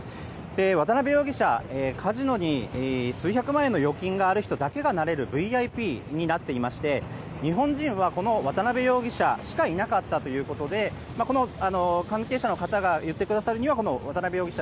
渡邉容疑者、カジノに数百万円の預金がある人だけがなれるＶＩＰになっていまして日本人は、この渡邉容疑者しかいなかったということでこの関係者の方が言ってくださるには日本人は渡邉容疑者